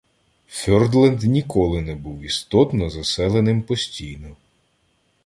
Фьордленд ніколи не був істотно заселеним постійно.